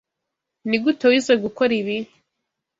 Nigute wize gukora ibi?